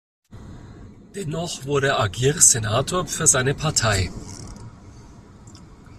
Dennoch wurde Aguirre Senator für seine Partei.